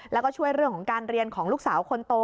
แล้วก็ช่วยเรื่องของการเรียนของลูกสาวคนโต